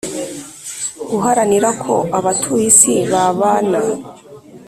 Guharanira ko abatuye isi babana